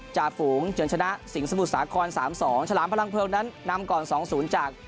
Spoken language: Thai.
จูงเชิญชนะสิงห์สมุทรสาครสามสองฉลามพลังเพลิงนั้นนำก่อนสองศูนย์จาก